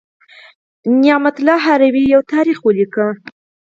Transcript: نعمت الله هروي یو تاریخ ولیکه.